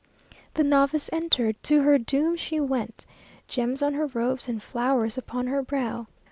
The novice entered: to her doom she went, Gems on her robes, and flowers upon her brow.